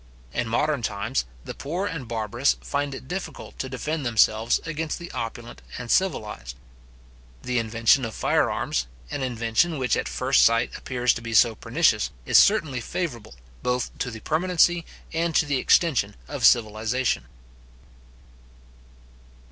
In modern times, the poor and barbarous find it difficult to defend themselves against the opulent and civilized. The invention of fire arms, an invention which at first sight appears to be so pernicious, is certainly favourable, both to the permanency and to the extension of civilization.